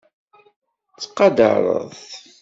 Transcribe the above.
Ttqadaṛet.